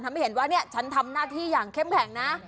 เห็นว่าเนี่ยฉันทำหน้าที่อย่างเข้มแข็งนะ